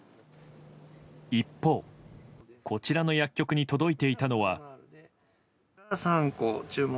一方、こちらの薬局に届いていたのは。